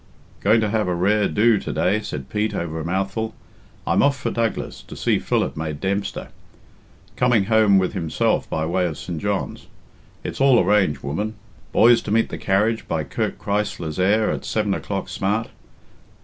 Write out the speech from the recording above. "Going to have a rare do to day," said Pete, over a mouthful. "I'm off for Douglas, to see Philip made Dempster. Coming home with himself by way of St. John's. It's all arranged, woman. Boys to meet the carriage by Kirk Christ Lezayre at seven o'clock smart.